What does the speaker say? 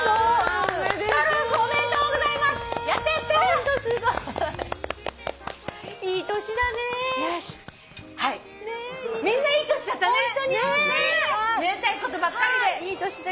めでたいことばっかりで。